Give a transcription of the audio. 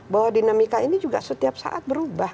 bahwa dinamika ini juga setiap saat berubah